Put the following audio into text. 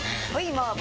麻婆！